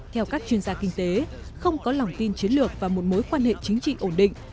theo các chuyên gia kinh tế không có lòng tin chiến lược và một mối quan hệ chính trị ổn định